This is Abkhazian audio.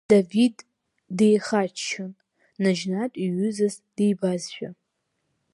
Давид деихаччон, наџьнатә иҩызаз дибазшәа.